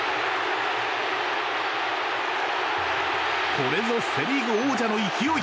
これぞセ・リーグ王者の勢い！